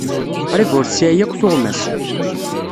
Qrib ur tesɛi akk tuɣmas.